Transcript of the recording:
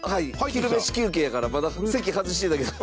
昼飯休憩やからまだ、席外してたけど。